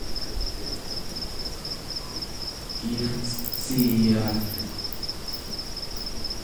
kiircetsiyaagtuq